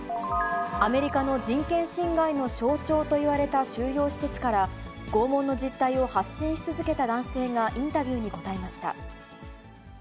アメリカの人権侵害の象徴といわれた収容施設から、拷問の実態を発信し続けた男性がインタビューに答えました。